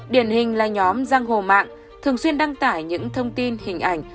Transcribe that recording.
điển hình là nhóm giang hồ mạng thường xuyên đăng tải những thông tin hình ảnh